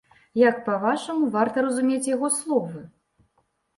Як, па-вашаму, варта разумець яго словы?